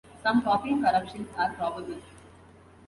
Some copying corruptions are probable.